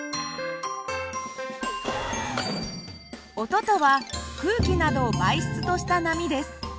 音とは空気などを媒質とした波です。